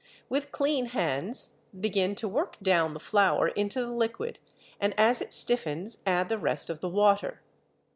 With clean hands begin to work down the flour into the liquid, and as it stiffens add the rest of the water.